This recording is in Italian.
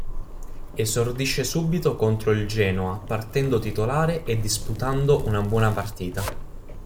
Esordisce subito contro il Genoa partendo titolare e disputando una buona partita.